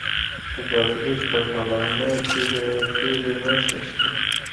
د بادغیس په قلعه نو کې د تیلو نښې شته.